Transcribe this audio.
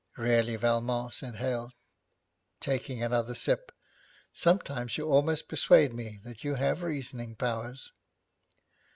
'Really, Valmont,' said Hale, taking another sip, 'sometimes you almost persuade me that you have reasoning powers.'